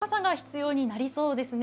大きめの傘が必要になりそうです。